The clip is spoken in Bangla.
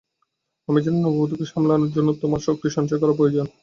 আমি জানি নববধূকে সামলানোর জন্য তোমার শক্তি সঞ্চয় করা প্রয়োজন।